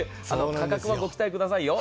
価格はご期待くださいよ。